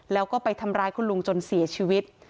แล้วก็ไปทำร้ายคุณลุงจนเสียชีวิต